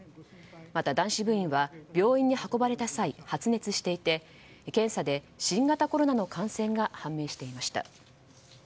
また、男子部員は病院に運ばれた際、発熱していて検査で新型コロナの感染が判明していました。